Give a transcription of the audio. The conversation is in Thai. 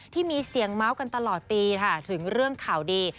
ที่มีเสียงเมาส์กันตลอดปีค่ะถึงเรื่องข่าวดี